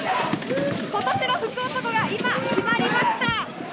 今年の福男が今、決まりました。